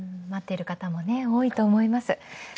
待ってる方、多いと思います。